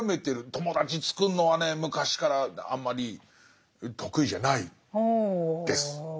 友達つくるのはね昔からあんまり得意じゃないです。